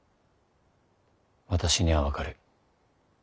私には分かる。